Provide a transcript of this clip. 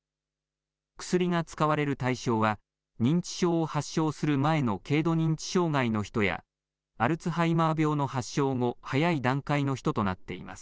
薬が使われる対象は認知症を発症する前の軽度認知障害の人やアルツハイマー病の発症後早い段階の人となっています。